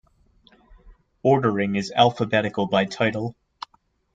Ordering is alphabetical by title.